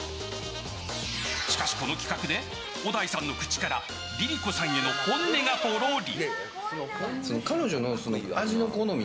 しかし、この企画で小田井さんの口からＬｉＬｉＣｏさんへの本音がポロリ。